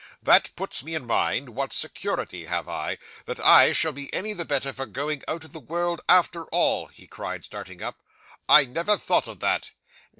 That puts me in mind what security have I, that I shall be any the better for going out of the world after all!" he cried, starting up; "I never thought of that."